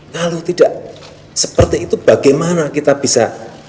kalau tidak seperti itu bagaimana kita bisa